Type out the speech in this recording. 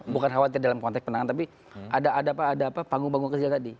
bukan khawatir dalam konteks penanganan tapi ada panggung panggung kecil tadi